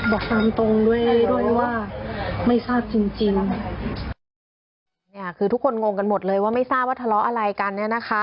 บอกตามตรงด้วยด้วยว่าไม่ทราบจริงจริงเนี่ยคือทุกคนงงกันหมดเลยว่าไม่ทราบว่าทะเลาะอะไรกันเนี่ยนะคะ